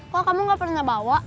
kok kamu gak pernah bawa